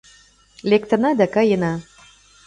Лектына да каена